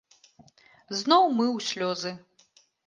Зноў мы ў слёзы.